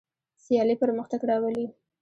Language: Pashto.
سیالي پرمختګ راولي.